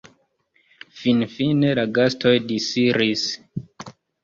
Finfine la gastoj disiris.